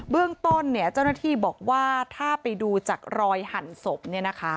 เรื่องต้นเจ้าหน้าที่บอกว่าถ้าไปดูจากรอยหั่นศพเนี่ยนะคะ